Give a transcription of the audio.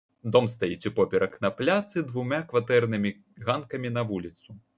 Дом стаіць упоперак на пляцы, двума кватэрнымі ганкамі на вуліцу.